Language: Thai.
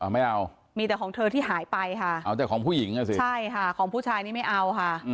ไม่เอามีแต่ของเธอที่หายไปค่ะเอาแต่ของผู้หญิงอ่ะสิใช่ค่ะของผู้ชายนี่ไม่เอาค่ะ